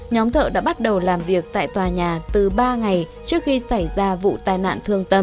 nhóm thợ đã bắt đầu làm việc tại tòa nhà từ ba ngày trước khi xảy ra vụ tai nạn thương tâm